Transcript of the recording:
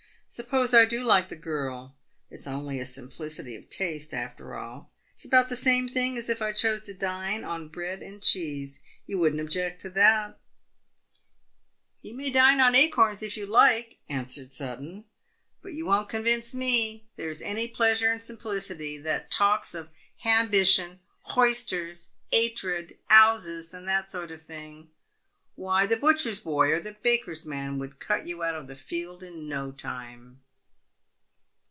Suppose I do like the girl, it's only a simplicity of taste, after all. It's about the same thing as if I chose to dine on bread and cheese. You wouldn't object to that ?"" You may dine on acorns if you like," answered Sutton, " but you won't convince me there is any pleasure in simplicity that talks of 'h'ambition, 'h' oysters, 'atred, 'ouses, and that sort of thing. Why, the butcher's boy, or the baker's man would cut you out of the field in no time."